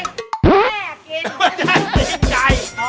ไม่ใช่ขึ้นใจ